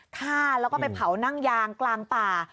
ฆ่าแล้วก็ไปเผานั่งยางกลางป่า